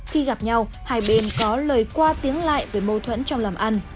khi gặp nhau hai bên có lời qua tiếng lại về mâu thuẫn trong làm ăn